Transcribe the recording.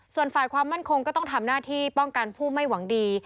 ส่วนฝ่ายความมั่นคงก็ต้องทำหน้าที่ป้องกันผู้ไม่หวังดี